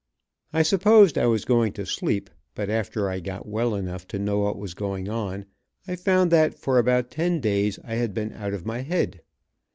I supposed I was going to sleep, but after I got well enough to know what was going on, I found that for about ten days I had been out of my head.